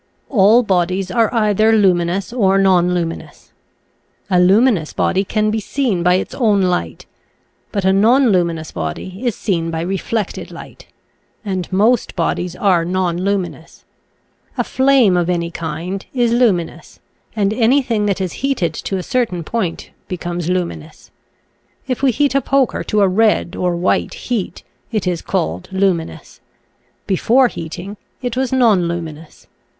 All bodies are either luminous or nonlumin ous. A luminous body can be seen by its own light, but a nonluminous body is seen by re flected light, and most bodies are nonluminous. A flame of any kind is luminous, and any thing that is heated to a certain point be / I . Original from UNIVERSITY OF WISCONSIN Xiflbt anD Etbet. 175 comes luminous. If we heat a poker to a red or white heat it is called luminous; before heating, it was nonluminous.